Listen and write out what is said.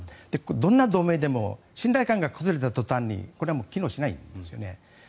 どんな同盟でも信頼感が崩れたら機能しないんですね。